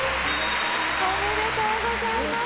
おめでとうございます。